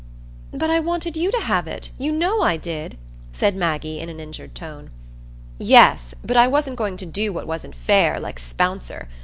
"But I wanted you to have it; you know I did," said Maggie, in an injured tone. "Yes, but I wasn't going to do what wasn't fair, like Spouncer.